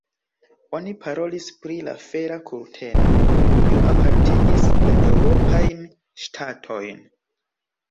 Oni parolis pri la fera kurteno, kiu apartigis la eŭropajn ŝtatojn.